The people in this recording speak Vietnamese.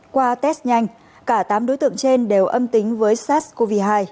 qua test nhanh cả tám đối tượng trên đều âm tính với sars cov hai